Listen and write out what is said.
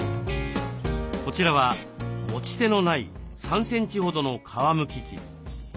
こちらは持ち手のない３センチほどの皮むき器。